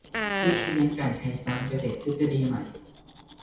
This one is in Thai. วิธีเลี้ยงไก่ไข่ตามเกษตรทฤษฎีใหม่